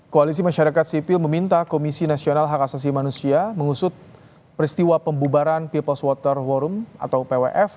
koalisi masyarakat sipil meminta komisi nasional hak asasi manusia mengusut peristiwa pembubaran peoples water forum atau pwf